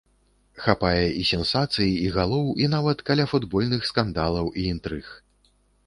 Хапае і сенсацый, і галоў, і нават каляфутбольных скандалаў і інтрыг.